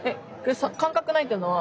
感覚ないっていうのは？